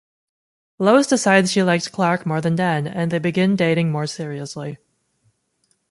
Lois decides she likes Clark more than Dan, and they begin dating more seriously.